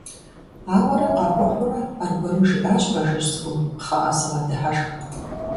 Ауэрэ къакӀухьурэ аргуэру жиӀащ Бажэжь цӀыкӀум: «КхъыӀэ, сыгъэдыхьэшх».